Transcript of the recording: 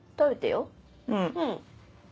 うん。